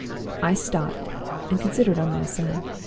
"I stopped, and considered on my side.